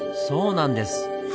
そうなんです！